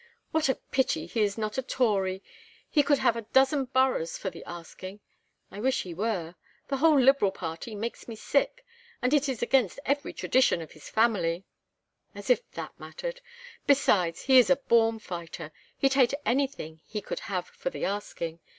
"What a pity he is not a Tory! He could have a dozen boroughs for the asking. I wish he were. The whole Liberal party makes me sick. And it is against every tradition of his family " "As if that mattered. Besides, he is a born fighter. He'd hate anything he could have for the asking.